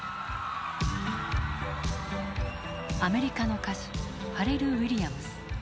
アメリカの歌手ファレル・ウィリアムス。